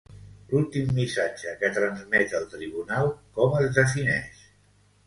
L'últim missatge que transmet el tribunal com es defineix?